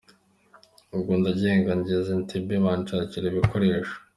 Ubwo ndagenda, ngeze Entebbe banshakira ibikoresho.